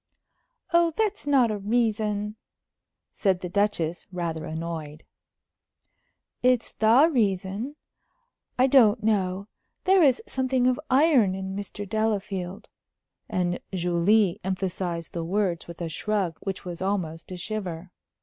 "Oh, that's not a reason," said the Duchess, rather annoyed. "It's the reason. I don't know there is something of iron in Mr. Delafield;" and Julie emphasized the words with a shrug which was almost a shiver.